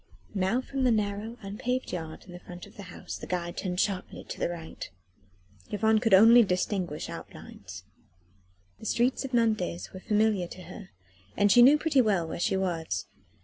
Now from the narrow unpaved yard in front of the house the guide turned sharply to the right. Yvonne could only distinguish outlines. The streets of Nantes were familiar to her, and she knew pretty well where she was.